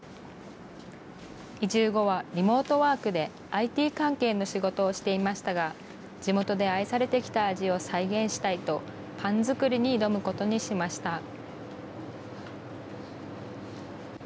移住後は、リモートワークでＩＴ関係の仕事をしていましたが、地元で愛されてきた味を再現したいと、パン作りに挑むことにしました。